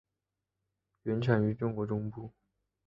原产于中国中部。